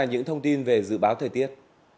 đây là những thông tin về dự báo thời tiết